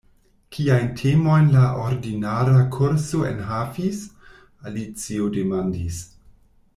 "Kiajn temojn la ordinara kurso enhavis?" Alicio demandis.